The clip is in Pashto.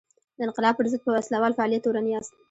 د انقلاب پر ضد په وسله وال فعالیت تورن یاست.